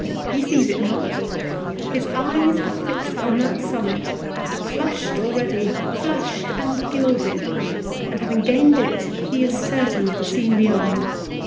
he sees it not; his eyes are fixed on that summit, flushed already, flushed and gilded, and having gained it he is certain of the scene beyond.